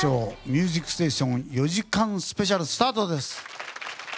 「ミュージックステーション」４時間スペシャルスタートです。